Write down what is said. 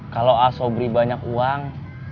kalau aso beri banyak uang